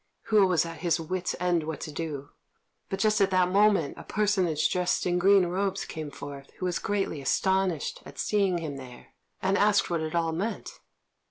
Hou was at his wits' end what to do; but just at that moment a personage dressed in green robes came forth, who was greatly astonished at seeing him there, and asked what it all meant.